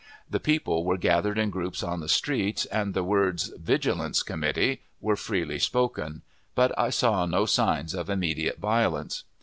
The people were gathered in groups on the streets, and the words "Vigilance Committee" were freely spoken, but I saw no signs of immediate violence.